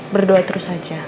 berdoa terus saja